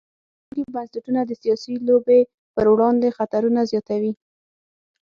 زبېښونکي بنسټونه د سیاسي لوبې پر وړاندې خطرونه زیاتوي.